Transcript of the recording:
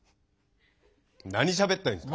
何しゃべったらいいんですか。